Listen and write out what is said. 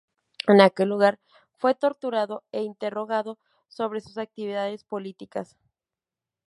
En aquel lugar fue torturado e interrogado sobre sus actividades políticas.